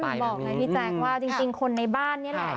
เขาถึงบอกนะพี่แจงว่าจริงคนในบ้านนี่แหละ